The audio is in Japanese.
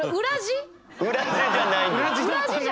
裏地じゃないんです。